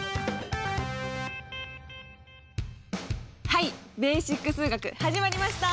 はい「ベーシック数学」始まりました。